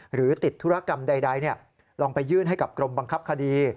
หรือติดธุรกรรมใดลองไปยื่นให้กับกรมบังคับคดี